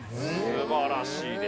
素晴らしいです。